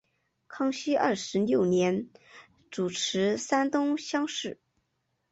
康熙二十六年主持山东乡试。